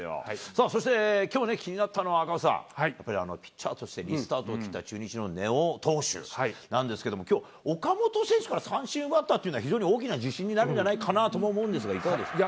さあ、そしてきょう、気になったのは、赤星さん、やっぱりピッチャーとしてリスタートを切った、中日の根尾投手なんですけど、きょう、岡本選手から三振を奪ったっていうのは非常に大きな自信になるんじゃないかなとも思うんですが、いかがですか？